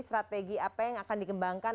strategi apa yang akan dikembangkan